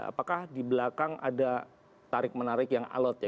apakah di belakang ada tarik menarik yang alot ya